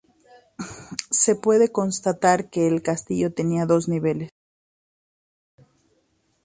Se pueden constatar que el castillo tenía dos niveles.